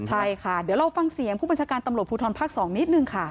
ใช่ค่ะเดี๋ยวเราฟังเสียงผู้บัญชาการตำรวจภูทรภาค๒นิดนึงค่ะ